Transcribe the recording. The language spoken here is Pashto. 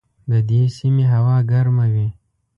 د دې سیمې هوا ګرمه وي.